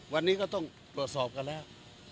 วันนี้ก็ต้องตรวจสอบกันแล้ว